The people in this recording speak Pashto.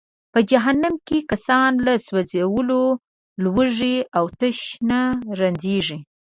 په جهنم کې کسان له سوځولو، لوږې او تشې نه رنجیږي.